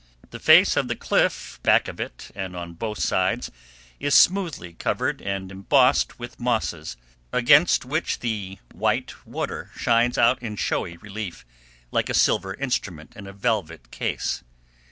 The face of the cliff back of it, and on both sides, is smoothly covered and embossed with mosses, against which the white water shines out in showy relief, like a silver instrument in a velvet case.